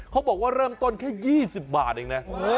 เขาบอกว่าเริ่มต้นแค่๒๐บาทเองนะ